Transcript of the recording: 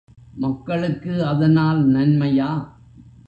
மக்களுக்கு அதனால் நன்மையா?